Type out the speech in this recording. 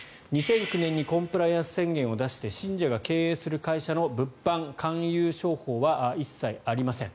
２００９年にコンプライアンス宣言を出して信者が経営する会社の物販・勧誘商法は一切ありません